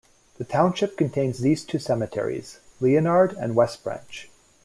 The township contains these two cemeteries: Leonard and West Branch.